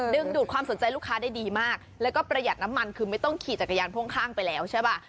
ดูดความสนใจลูกค้าได้ดีมากแล้วก็ประหยัดน้ำมันคือไม่ต้องขี่จักรยานพ่วงข้างไปแล้วใช่ป่ะ